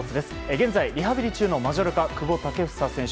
現在リハビリ中のマジョルカ久保建英選手。